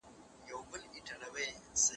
شواليو به د جنګ مهارتونه زده کول.